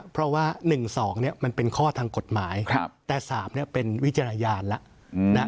เพราะว่า๑๒มันเป็นข้อทางกฎหมายแต่๓เป็นวิจารณญาณแล้ว